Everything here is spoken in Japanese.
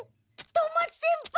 富松先輩